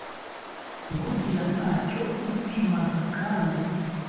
nkugira ntacyo uzimaza kandi